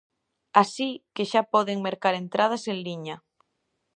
Así que xa poden mercar entradas en liña.